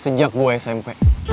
sejak gua smp